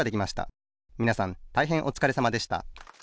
みなさんたいへんおつかれさまでした